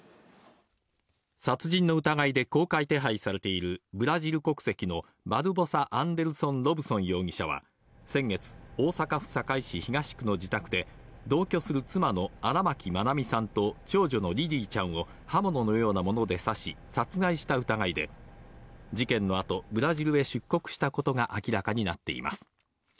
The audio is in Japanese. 殺人の疑いで公開手配されているブラジル国籍のバルボサ・アンデルソン・ロブソン容疑者は、先月、大阪府堺市東区の自宅で同居する妻の荒牧愛美さんと長女のリリィちゃんを刃物のようなもので刺し殺害した疑いで、事件の後ブラジルへ出国したことが明らかになっています。